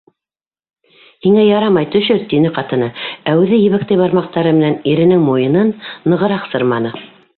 Һиңә ярамай, төшөр! - тине ҡатыны, ә үҙе ебәктәй бармаҡтары менән иренең муйынын нығыраҡ сырманы.